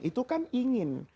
itu kan ingin